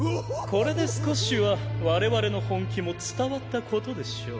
これで少しは我々の本気も伝わった事でしょう。